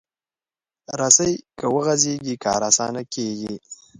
رسۍ که وغځېږي، کار اسانه کېږي.